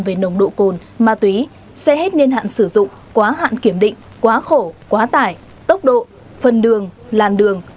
về nồng độ cồn ma túy xe hết niên hạn sử dụng quá hạn kiểm định quá khổ quá tải tốc độ phần đường làn đường